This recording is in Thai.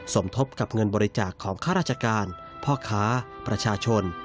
สมทบกับเงินบริจาคของข้าราชการพ่อค้าประชาชน